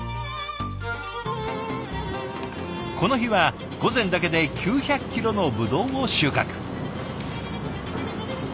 この日は午前だけで９００キロのブドウを収穫。